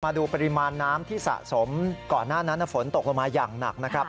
มาดูปริมาณน้ำที่สะสมก่อนหน้านั้นฝนตกลงมาอย่างหนักนะครับ